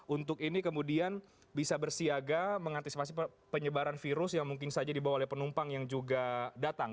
untuk ini kemudian bisa bersiaga mengantisipasi penyebaran virus yang mungkin saja dibawa oleh penumpang yang juga datang